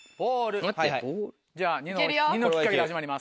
じゃあニノニノきっかけで始まります。